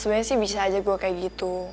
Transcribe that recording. sebenarnya sih bisa aja gue kayak gitu